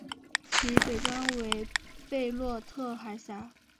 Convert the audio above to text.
其北端为贝洛特海峡。